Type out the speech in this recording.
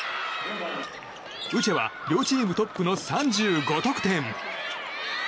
ウチェは両チームトップの３５得点。